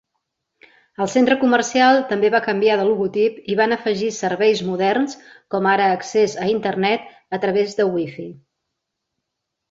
El centre comercial també va canviar de logotip i van afegir serveis moderns com ara accés a internet a través de wifi.